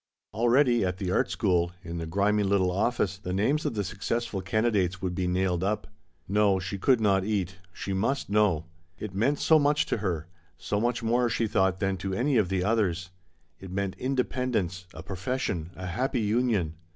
Already, at the Art School, in the grimy little office, the names of the success ful candidates would be nailed up. No, she could not eat ; she must know. It meant so much to her, so much more she thought than to any of the others. It meant independ ence, a profession, a happy union.